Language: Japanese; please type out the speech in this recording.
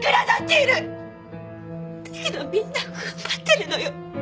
だけどみんな踏ん張ってるのよ。